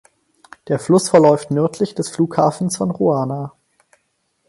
Der Fluss verläuft nördlich des Flughafens von Roanne.